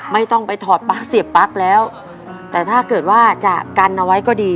ไม่ต้องไปถอดปลั๊กเสียบปั๊กแล้วแต่ถ้าเกิดว่าจะกันเอาไว้ก็ดี